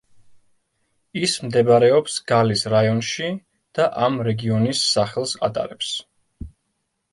ის მდებარეობს გალის რაიონში და ამ რეგიონის სახელს ატარებს.